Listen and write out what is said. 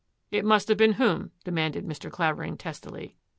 "It must have been whom?" demanded Mr. Clavering testily.